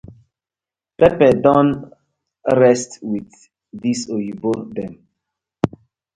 Pepper don rest wit dis oyibo dem.